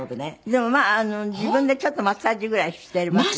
でもまあ自分でちょっとマッサージぐらいしていますよ。